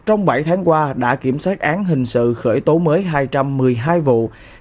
trong bảy tháng qua đã kiểm sát án hình sự khởi tố mới hai trăm một mươi hai vụ